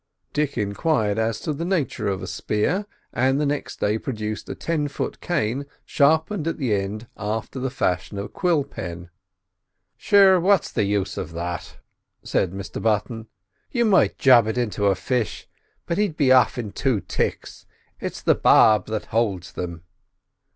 Dick enquired as to the nature of a spear, and next day produced a ten foot cane sharpened at the end after the fashion of a quill pen. "Sure, what's the use of that?" said Mr Button. "You might job it into a fish, but he'd be aff it in two ticks; it's the barb that holds them."